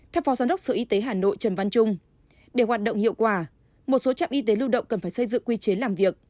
theo phó giám đốc sở y tế hà nội trần văn trung để hoạt động hiệu quả một số trạm y tế lưu động cần phải xây dựng quy chế làm việc